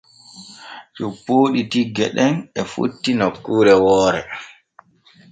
Coppooɗi tiwge ɗen e fotti nokkuure woore.